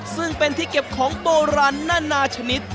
ซึ่งเป็นที่เก็บของโบราณนานาชนิด